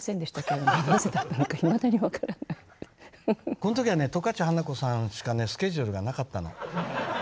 この時はね十勝花子さんしかねスケジュールがなかったの。